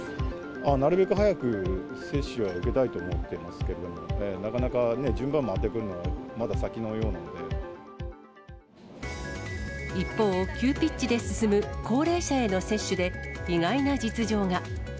なるべく早く接種は受けたいと思ってますけれどもね、なかなかね、順番回ってくるのは、一方、急ピッチで進む高齢者への接種で、意外な実情が。